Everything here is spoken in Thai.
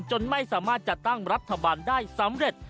จนไม่สามารถจัดตั้งรัฐบาลได้สำเร็จ